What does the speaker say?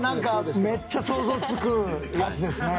めっちゃ想像つくやつですね。